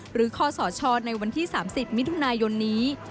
หรือขศชในวันที่๓๐มิยนนี้